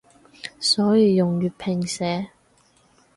所以用粵拼寫